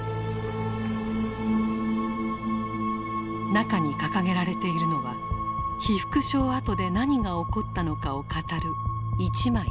中に掲げられているのは被服廠跡で何が起こったのかを語る１枚の絵。